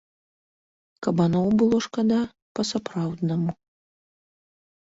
Кабаноў было шкада па-сапраўднаму.